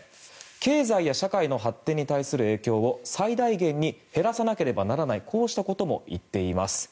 経済や社会の発展に対する影響を最大限に減らさなければならないということも言っています。